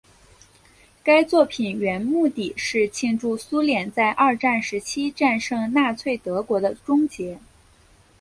该作品原目的是庆祝苏联在二战时期战胜纳粹德国的终结。